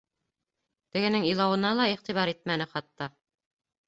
Тегенең илауына ла иғтибар итмәне хатта.